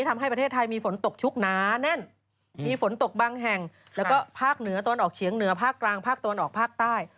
มีฝนตกบังแห่งแล้วก็ภาคเหนือต้นออกเฉียงเหนือภาคกลางภาคต้นออกภาคใต้